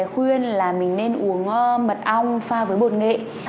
bạn bè khuyên là mình nên uống mật ong pha với bột nghệ